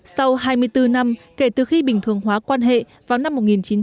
sau hai mươi bốn năm kể từ khi bình thường hóa quan hệ vào năm một nghìn chín trăm bảy mươi